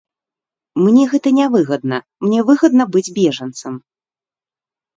Мне гэта нявыгадна, мне выгадна быць бежанцам!